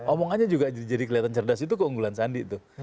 omongannya juga jadi kelihatan cerdas itu keunggulan sandi tuh